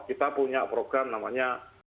kita punya program namanya